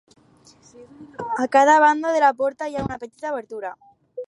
A cada banda de la porta hi ha una petita obertura.